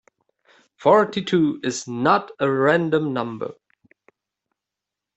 Forty-two is not a random number.